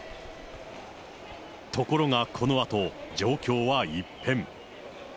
ところがこのあと、状況は一変。